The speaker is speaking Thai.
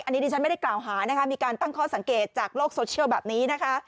อันนี้ดิฉันไม่ได้กล่าวหานะคะมีการตั้งข้อสังเกตจากโลกโซเชียลแบบนี้นะคะ